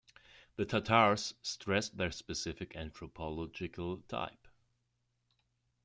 The Tatars stress their specific anthropological type.